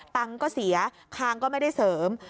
ตังค์ก็เสียคางก็ไม่ได้เสริม